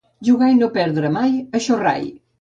Jugar i no perdre mai, això rai.